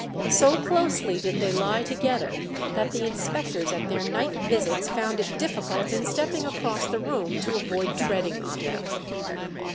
So closely did they lie together, that the inspectors at their night visits found it difficult in stepping across the room to avoid treading on them.